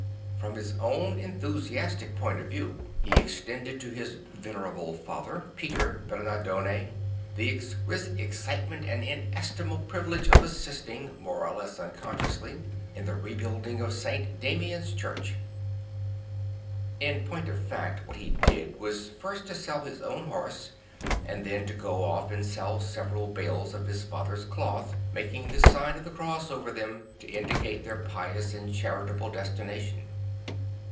From his own enthusiastic point of view, he extended to his venerable father Peter Bemardone the exquisite excitement and inestimable privilege of assisting, more or less unconsciously, in the rebuilding of St. Damian's Church. In point of fact what he did was first to sell his own horse and then to go off and sell several bales of his father's cloth, making the sign of the cross over them to indicate their pious and charitable destination.